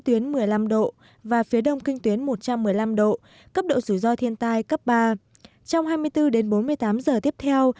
tuyến một mươi năm độ và phía đông kinh tuyến một trăm một mươi năm độ cấp độ rủi ro thiên tai cấp ba trong hai mươi bốn đến bốn mươi tám giờ tiếp theo